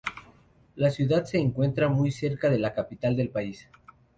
La ciudad se encuentra muy cerca de la capital del país.